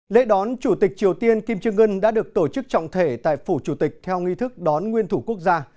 lễ đón chủ tịch triều tiên kim trương ngân đã được tổ chức trọng thể tại phủ chủ tịch theo nghi thức đón nguyên thủ quốc gia